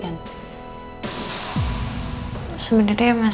sebenarnya mas rendy itu cuma bantuin jessy doang kak